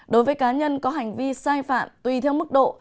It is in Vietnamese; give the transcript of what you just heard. đối với cá nhân có hành vi sai phạm tùy theo mức độ